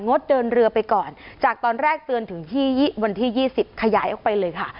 ดเดินเรือไปก่อนจากตอนแรกเตือนถึงวันที่๒๐ขยายออกไปเลยค่ะ